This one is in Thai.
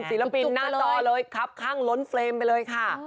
ศิลปินน่าต่อเลยครับครั้งล้นเฟรมไปเลยค่ะ